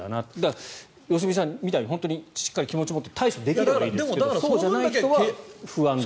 良純さんみたいにしっかり気持ちを持って対処できればいいですけどそうじゃない人は不安だと。